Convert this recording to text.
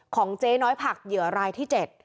เจ๊น้อยผักเหยื่อรายที่๗